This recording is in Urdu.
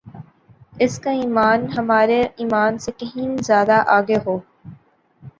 اس کا ایمان ہمارے ایمان سے کہین زیادہ آگے ہو